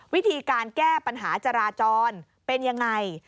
วิธีการแก้ปัญหาจราจรเป็นยังไง